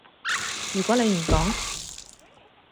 如果你唔講